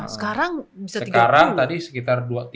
sekarang tadi sekitar